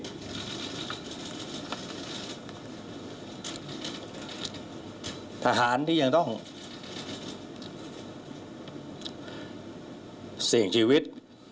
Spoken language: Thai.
ทหารที่ยังต้องเสี่ยงชีวิต